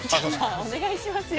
お願いしますよ。